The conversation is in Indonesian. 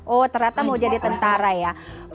oh ternyata mau jadi tentara ya